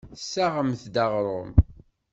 Tessaɣemt-d aɣrum.